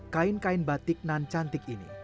kain kain batik nan cantik ini